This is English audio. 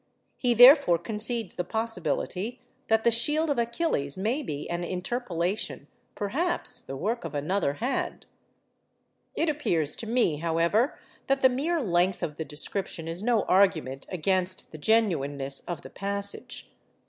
He therefore concedes the possibility that the 'Shield of Achilles' may be an interpolation—perhaps the work of another hand. It appears to me, however, that the mere length of the description is no argument against the genuineness of the passage.